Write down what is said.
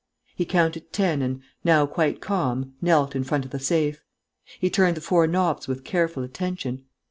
He counted ten and, now quite calm, knelt in front of the safe. He turned the four knobs with careful attention.